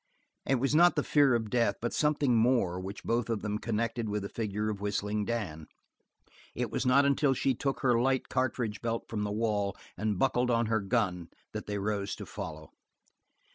It was not the fear of death but of something more which both of them connected with the figure of Whistling Dan. It was not until she took her light cartridge belt from the wall and buckled on her gun that they rose to follow.